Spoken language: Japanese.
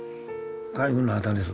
海軍の旗です。